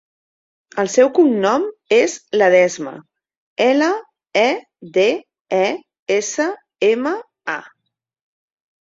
El seu cognom és Ledesma: ela, e, de, e, essa, ema, a.